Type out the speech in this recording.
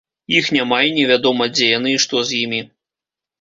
Іх няма і невядома, дзе яны і што з імі.